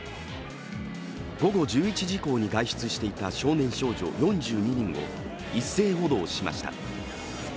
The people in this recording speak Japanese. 午後１１時以降に外出していた少年少女４２人を一斉補導しました。